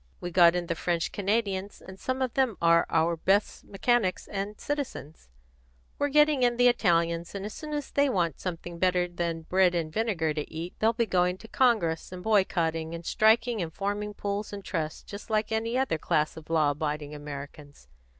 We got in the French Canadians, and some of them are our best mechanics and citizens. We're getting in the Italians, and as soon as they want something better than bread and vinegar to eat, they'll begin going to Congress and boycotting and striking and forming pools and trusts just like any other class of law abiding Americans.